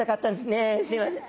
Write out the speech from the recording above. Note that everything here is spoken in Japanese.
すいません。